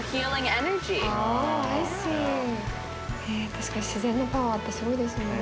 確かに自然のパワーってすごいですよね。